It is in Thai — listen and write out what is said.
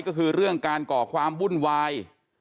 ก็คือเรื่องการก่อความวุ่นวาย